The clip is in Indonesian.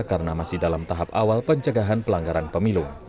karena masih dalam tahap awal pencegahan pelanggaran pemilu